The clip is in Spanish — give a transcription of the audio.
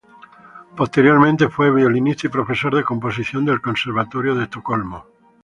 Posteriormente fue violinista y profesor de composición del Conservatorio de Estocolmo.